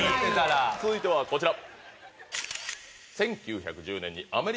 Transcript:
続いてはこちら。